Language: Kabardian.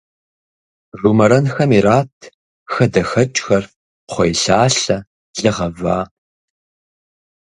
Жумэрэнхэм ират хадэхэкӏхэр, кхъуейлъалъэ, лы гъэва.